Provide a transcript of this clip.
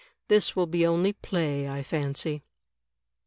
This will be only play, I fancy."